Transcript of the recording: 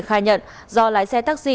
khai nhận do lái xe taxi